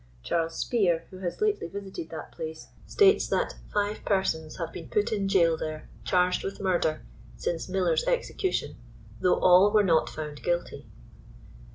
Charles Spear, who has lately visited that place, states that <* five per sons have been put in jail there, charged with murder, since Miller's execution, though all were not found guilty."